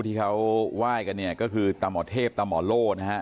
ที่เขาไหว้กันเนี้ยก็คือตำอเทพตำอลโลนะฮะ